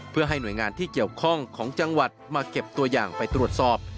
เพื่อให้หน่วยงานที่เกี่ยวข้องของจังหวัดมาเก็บตัวอย่างไปตรวจสอบ